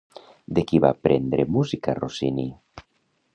De qui va prendre música Rossini?